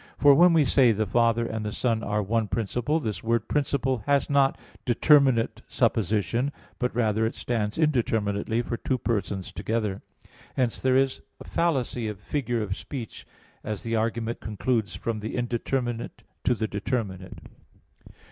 For when we say the Father and the Son are one principle, this word "principle" has not determinate supposition but rather it stands indeterminately for two persons together. Hence there is a fallacy of "figure of speech" as the argument concludes from the indeterminate to the determinate.